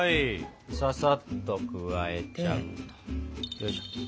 ささっと加えちゃって。